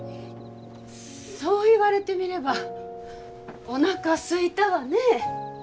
そう言われてみればおなかすいたわね。